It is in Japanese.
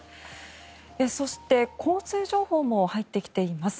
そして交通情報も入ってきています。